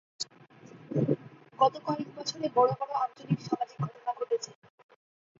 গত কয়েক বছরে বড় বড় আঞ্চলিক সামাজিক ঘটনা ঘটেছে।